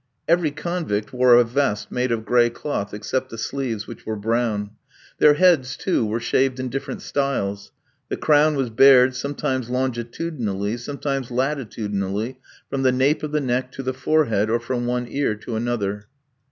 Every convict wore a vest made of gray cloth, except the sleeves, which were brown. Their heads, too, were shaved in different styles. The crown was bared sometimes longitudinally, sometimes latitudinally, from the nape of the neck to the forehead, or from one ear to another.